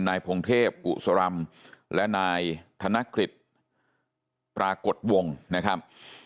นายพงเทพกุศรำและนายธนกฤษปรากฏวงนะครับ